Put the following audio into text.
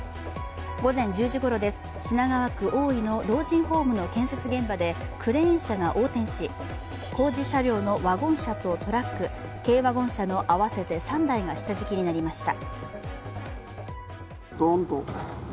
午前１０時ごろです品川区大井の老人ホームの建設現場でクレーン車が横転し、工事車両のワゴン車とトラック、軽ワゴン車の合わせて３台が下敷きになりました。